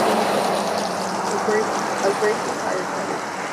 Upgrades require credits.